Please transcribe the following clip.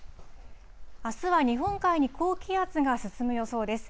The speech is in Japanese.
あすは日本海に高気圧が進む予想です。